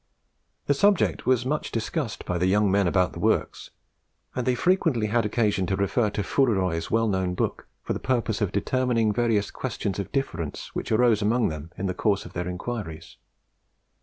The subject was much discussed by the young men about the works, and they frequently had occasion to refer to Foureroy's well known book for the purpose of determining various questions of difference which arose among them in the course of their inquiries.